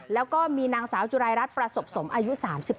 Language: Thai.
แล้วก็มีนางสาวจุรายรัฐประสบสมอายุ๓๒